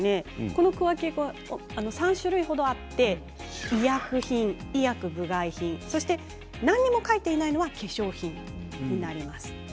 この区分けが３種類程あって医薬品、医薬部外品何も書いていないのは化粧品になります。